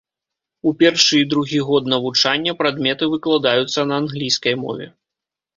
У першы і другі год навучання прадметы выкладаюцца на англійскай мове.